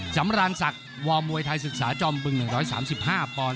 สำราญศักดิ์วอร์มวยไทยศึกษาจอมบึง๑๓๕ปอนด